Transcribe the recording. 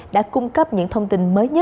đã cung cấp những thông tin mới nhất